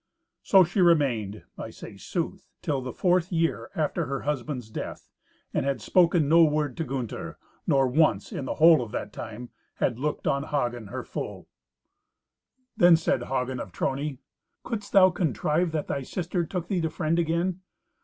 So she remained (I say sooth) till the fourth year after her husband's death, and had spoken no word to Gunther, nor once, in the whole of that time, had looked on Hagen, her foe. Then said Hagen of Trony, "Couldst thou contrive that thy sister took thee to friend again?